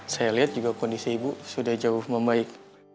saya lihat juga kondisi ibu sudah jauh membaik